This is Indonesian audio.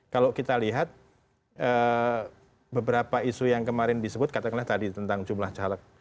kalau kita lihat beberapa isu yang kemarin disebut katakanlah tadi tentang jumlah caleg